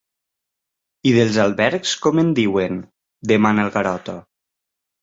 I dels albergs com en diuen? —demana el Garota.